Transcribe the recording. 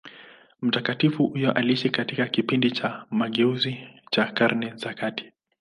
Mtakatifu huyo aliishi katika kipindi cha mageuzi cha Karne za kati.